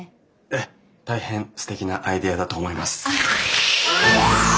ええ大変すてきなアイデアだと思います。